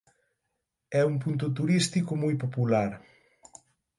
É un punto turístico moi popular.